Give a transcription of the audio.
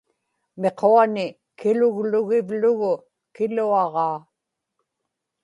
miquani kiluglugivlugu kiluaġaa